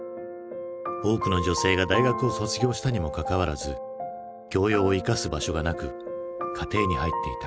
多くの女性が大学を卒業したにもかかわらず教養を生かす場所がなく家庭に入っていた。